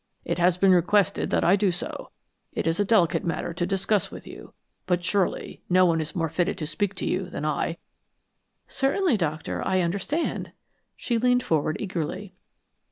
It has been requested that I do so. It is a delicate matter to discuss with you, but surely no one is more fitted to speak to you than I." "Certainly, Doctor, I understand." She leaned forward eagerly.